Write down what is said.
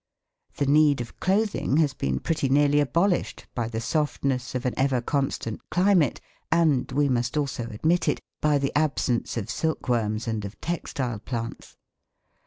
The need of clothing has been pretty nearly abolished by the softness of an ever constant climate, and, we must also admit it, by the absence of silkworms and of textile plants.